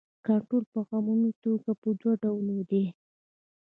کنټرول په عمومي توګه په دوه ډوله دی.